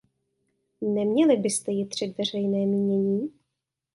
Neměli byste jitřit veřejné mínění.